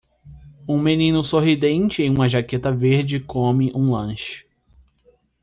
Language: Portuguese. Um menino sorridente em uma jaqueta verde come um lanche